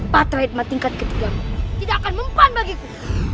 patriot matingkat ketigamu tidak akan mempunyai bagiku